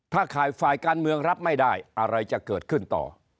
ถ้าฝ่ายฝ่ายการเมืองรับไม่ได้อะไรจะเกิดขึ้นต่อ